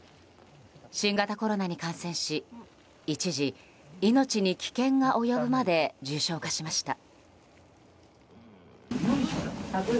新型コロナに感染し一時、命に危険が及ぶまで重症化しました。